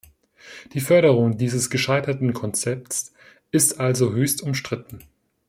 Die Förderung dieses gescheiterten Konzepts ist also höchst umstritten.